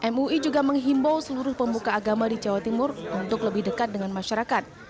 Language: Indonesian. mui juga menghimbau seluruh pemuka agama di jawa timur untuk lebih dekat dengan masyarakat